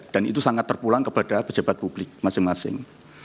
dan itu sangat terpulang kepada pejabat publik masing masing